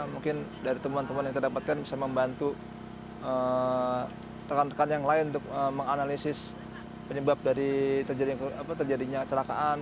mungkin dari teman teman yang terdapatkan bisa membantu rekan rekan yang lain untuk menganalisis penyebab dari terjadinya celakaan